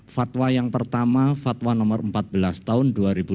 fatwa yang pertama fatwa nomor empat belas tahun dua ribu dua puluh